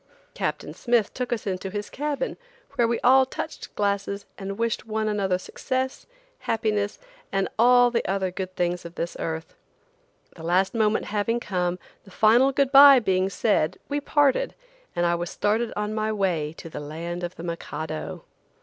Captain Smith took us into his cabin, where we all touched glasses and wished one another success, happiness and the other good things of this earth. The last moment having come, the final good bye being said, we parted, and I was started on my way to the land of the Mikado.